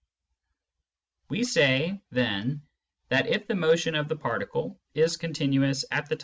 We say then that, if the motion of the particle is continuous at the * Sec next lecture.